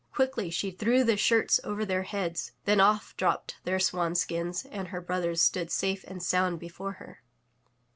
Quickly she threw the shirts over their heads. Then off dropped their swan skins and her brothers stood safe and sound before her.